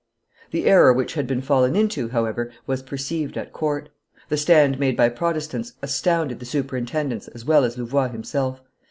The error which had been fallen into, however, was perceived at court. The stand made by Protestants astounded the superintendents as well as Louvois himself.